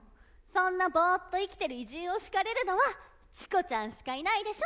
そんなボーっと生きてる偉人を叱れるのはチコちゃんしかいないでしょ。